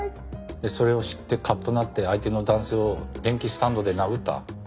でそれを知ってカッとなって相手の男性を電気スタンドで殴った。